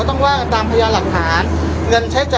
พี่แจงในประเด็นที่เกี่ยวข้องกับความผิดที่ถูกเกาหา